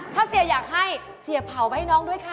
ถ้าเสียอยากให้เสียเผาไปให้น้องด้วยค่ะ